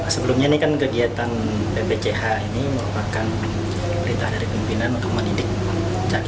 sebelumnya ini kan kegiatan ppch ini merupakan berita dari pimpinan untuk